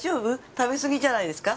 食べすぎじゃないですか？